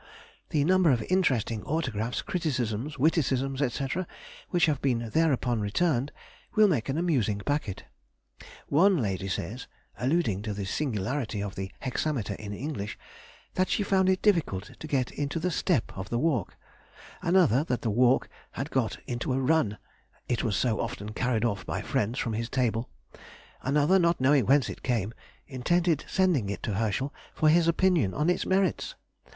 The number of interesting autographs, criticisms, witticisms, &c., which have been thereupon returned, will make an amusing packet. One lady says (alluding to the singularity of the hexameter in English) that she found it difficult to get into the step of the Walk; another, that the Walk had got into a Run, it was so often carried off by friends from his table; another, not knowing whence it came, intended sending it to Herschel for his opinion on its merits!